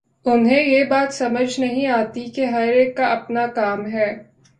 انہیں یہ بات سمجھ نہیں آتی کہ ہر ایک کا اپنا کام ہے۔